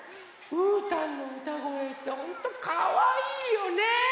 うーたんのうたごえってほんとかわいいよね。